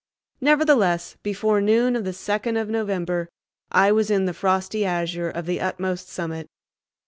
Nevertheless, before noon of the second of November I was in the frosty azure of the utmost summit.